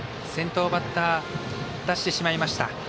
先頭バッター出してしまいました。